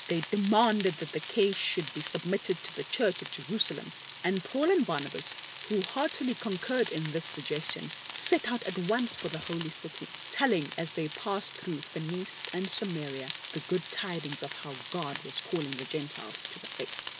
They demanded that the case should be submitted to the Church at Jerusalem, and Paul and Barnabas, who heartily concurred in this suggestion, set out at once for the Holy City, telling as they passed through Phenice and Samaria the good THE OLD LAW OR THE NEW ? 53 tidings of how God was calling the Gentiles to the Faith.